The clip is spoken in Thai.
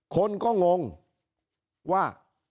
คนก็งงว่า